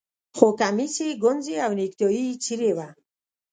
خو کمیس یې ګونځې او نیکټايي یې څیرې وه